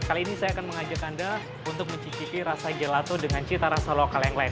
kali ini saya akan mengajak anda untuk mencicipi rasa gelato dengan cita rasa lokal yang lain